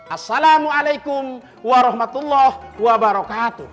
assalamualaikum warahmatullahi wabarakatuh